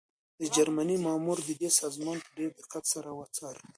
د جرمني مامور د ده سامان په ډېر دقت سره وڅاره.